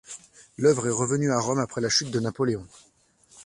L'œuvre est revenue à Rome après la chute de Napoléon.